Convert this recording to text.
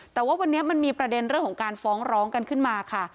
แต่ว่าวันนี้มันมีประเด็นเรื่องของการฟ้องร้องกันขึ้นมาค่ะ